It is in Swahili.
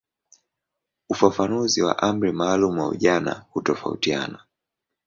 Ufafanuzi wa umri maalumu wa ujana hutofautiana.